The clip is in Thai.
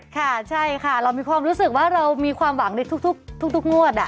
ค่ะใช่ค่ะเรามีความรู้สึกว่าเรามีความหวังในทุกงวด